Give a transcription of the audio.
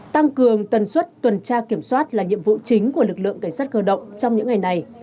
tăng cường tần suất tuần tra kiểm soát là nhiệm vụ chính của lực lượng cảnh sát cơ động trong những ngày này